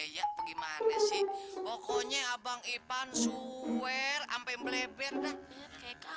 lu pengen gua buang ke terminal lu